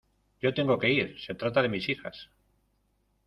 yo tengo que ir, se trata de mis hijas.